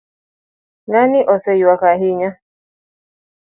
ng'ani oseyuak ahinya